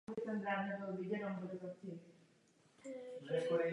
Ve vsi je množství dochovaných venkovských usedlostí.